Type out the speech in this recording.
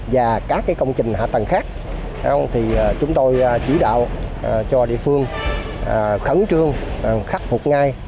và các công trình hạ tầng khác thì chúng tôi chỉ đạo cho địa phương khẩn trương khắc phục ngay